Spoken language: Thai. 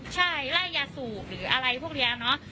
ใช่ไล่ยาสูบหรืออะไรพวกนี้เนอะ